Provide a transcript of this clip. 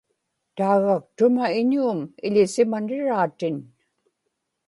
taagaktuma iñuum iḷisimaniraatin